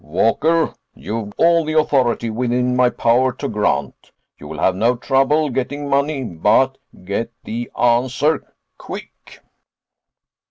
"Walker, you've all the authority within my power to grant. You'll have no trouble getting money. But—get the answer. _Quick.